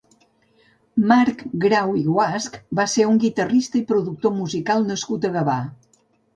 Marc Grau i Guasch va ser un guitarrista i productor musical nascut a Gavà.